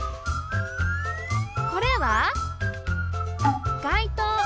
これは外灯。